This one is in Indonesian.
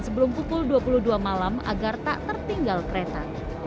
sebelum pukul dua puluh dua malam agar tak tertinggal kereta